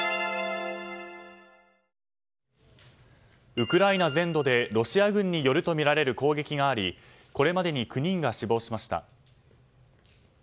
ウクライナ全土でロシア軍によるとみられる攻撃がありこれまでに９人が死亡しました。